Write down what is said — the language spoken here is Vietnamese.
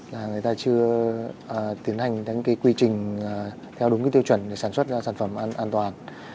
người ta chưa tiến hành những quy trình theo đúng tiêu chuẩn để sản xuất ra sản phẩm an toàn